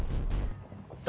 誰？